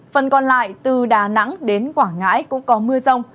phần còn lại từ đà nẵng đến quảng ngãi cũng có mưa rông